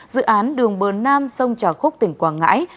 dự án đường bờ nam sông trà khúc tỉnh quảng ngãi